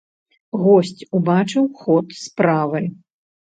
Госць убачыў ход справы.